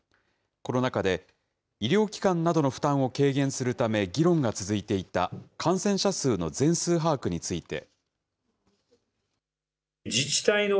この中で、医療機関などの負担を軽減するため議論が続いていた感染者数の全数把握について。